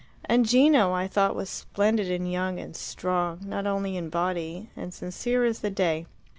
And Gino, I thought, was splendid, and young, and strong not only in body, and sincere as the day.